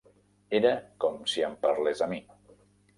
Era com si em parlés a mi.